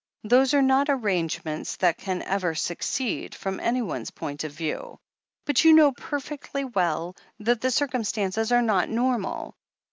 Those are not arrangements that can ever succeed, from anyone's point of view. But you know perfectly well that the circumstances are not normal.